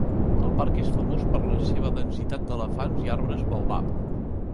El parc és famós per la seva densitat d'elefants i arbres baobab.